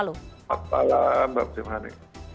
selamat malam mbak muzim hani